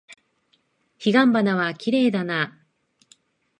彼岸花はきれいだな。